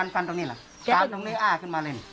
ฟันตรงนี้อ่าขึ้นมาเร่น